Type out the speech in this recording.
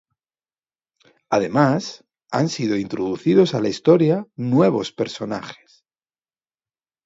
Además, han sido introducidos a la historia nuevos personajes.